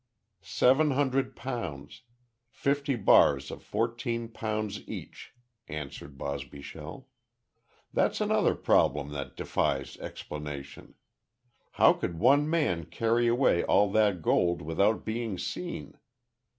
"Seven hundred pounds fifty bars of fourteen pounds each," answered Bosbyshell. "That's another problem that defies explanation. How could one man carry away all that gold without being seen?